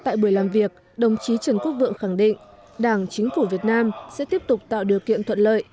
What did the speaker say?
tại buổi làm việc đồng chí trần quốc vượng khẳng định đảng chính phủ việt nam sẽ tiếp tục tạo điều kiện thuận lợi